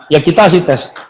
ya kita sih tes